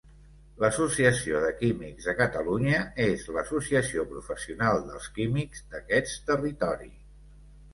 L'associació de químics de Catalunya és l'associació professional dels químics d'aquest territori.